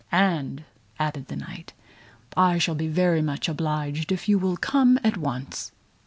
"And," added the Knight, "I shall be very much obliged if you will come at once."